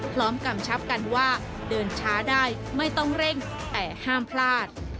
กำชับกันว่าเดินช้าได้ไม่ต้องเร่งแต่ห้ามพลาด